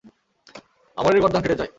আমরের গর্দান কেটে যায়।